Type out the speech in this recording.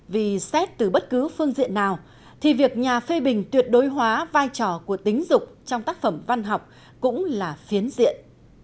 vì xét từ bất cứ phương diện nào thì việc nhà phê bình tuyệt đối hóa vai trò của tính dục trong tác phẩm văn học cũng là phiến diện